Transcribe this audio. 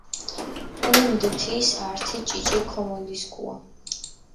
ჸუნდჷ თის ართი ჭიჭე ქომოლისქუა.